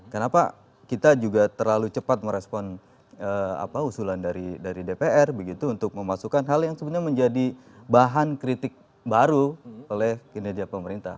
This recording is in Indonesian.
kenapa kita juga terlalu cepat merespon usulan dari dpr begitu untuk memasukkan hal yang sebenarnya menjadi bahan kritik baru oleh kinerja pemerintah